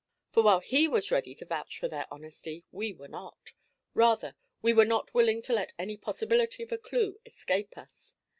For while he was ready to vouch for their honesty, we were not; rather, we were not willing to let any possibility of a clue escape us.